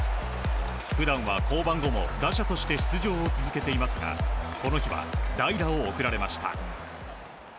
普段は降板後も打者として出場を続けていますが、この日は代打を送られました。